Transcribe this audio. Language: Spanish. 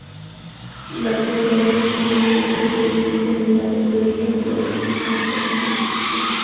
La Trobe nació en Londres siendo hijo de Christian Ignace Latrobe de origen hugonote.